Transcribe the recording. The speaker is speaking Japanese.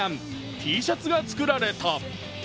Ｔシャツが作られた。